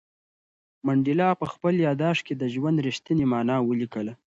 منډېلا په خپل یادښت کې د ژوند رښتینې مانا ولیکله.